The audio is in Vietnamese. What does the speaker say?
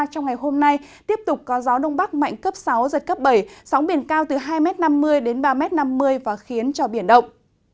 trong ngày hôm nay tiếp tục có gió đông bắc mạnh cấp sáu giật cấp bảy sóng biển cao từ hai năm mươi đến ba năm mươi và khiến cho biển động